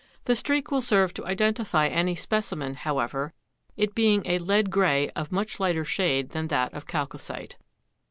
The streak will serve to identify any specimen, however, it being a lead gray of much lighter shade than that of chalcocite.